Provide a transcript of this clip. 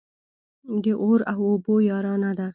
د اور او اوبو يارانه ده.